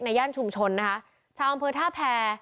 ในย่านชุมชนนะคะ